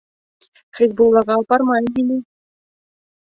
Хисбуллаға апармайым һине.